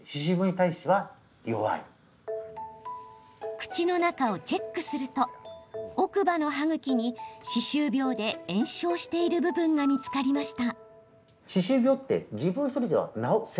口の中をチェックすると奥歯の歯ぐきに歯周病で炎症している部分が見つかりました。